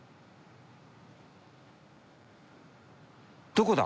どこだ？